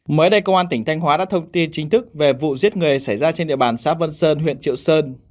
mới đây công an tỉnh thanh hóa đã thông tin chính thức về vụ giết người xảy ra trên địa bàn xã vân sơn huyện triệu sơn